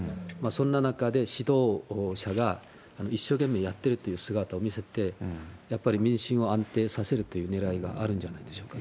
そんな中で指導者が一生懸命やっているという姿を見せて、やっぱり民心を安定させるというねらいはあるんじゃないでしょう